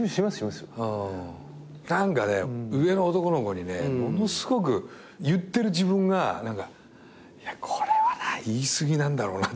何かね上の男の子にねものすごく言ってる自分がいやこれは言い過ぎなんだろうなとか。